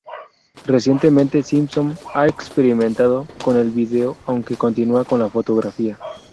Recientemente, Simpson ha experimentado con el vídeo aunque continúa con la fotografía.